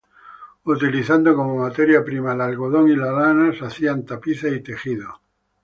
Utilizando como materia prima el algodón y la lana, se hacían tapices y tejidos.